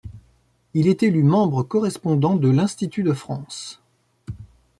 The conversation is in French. Il est élu membre correspondant de l'Institut de France.